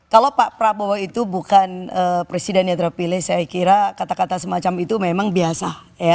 kalau pak prabowo itu bukan presiden yang terpilih saya kira kata kata semacam itu memang biasa